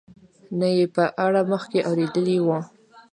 نه یې په اړه مخکې اورېدلي وو.